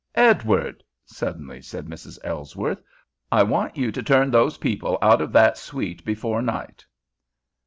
"Edward!" suddenly said Mrs. Ellsworth. "I want you to turn those people out of that suite before night!"